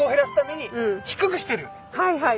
はいはい。